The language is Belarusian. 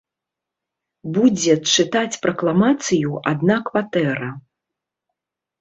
Будзе чытаць пракламацыю адна кватэра.